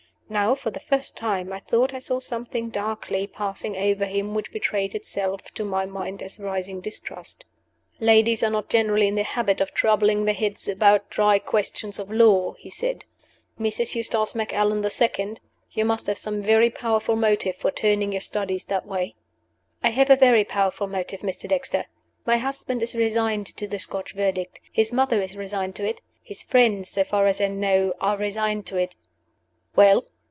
Now, for the first time, I thought I saw something darkly passing over him which betrayed itself to my mind as rising distrust. "Ladies are not generally in the habit of troubling their heads about dry questions of law," he said. "Mrs. Eustace Macallan the Second, you must have some very powerful motive for turning your studies that way." "I have a very powerful motive, Mr. Dexter My husband is resigned to the Scotch Verdict His mother is resigned to it. His friends (so far as I know) are resigned to it " "Well?"